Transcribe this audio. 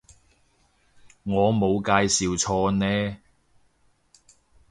我冇介紹錯呢